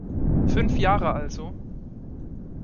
Fünf Jahre also?